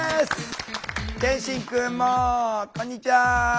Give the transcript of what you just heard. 健心くんもこんにちは。